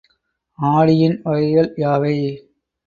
ஆடியின் வகைகள் யாவை?